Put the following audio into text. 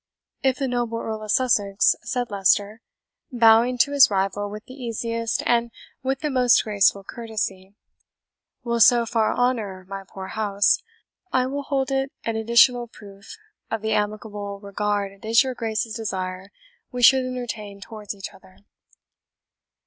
"If the noble Earl of Sussex," said Leicester, bowing to his rival with the easiest and with the most graceful courtesy, "will so far honour my poor house, I will hold it an additional proof of the amicable regard it is your Grace's desire we should entertain towards each other."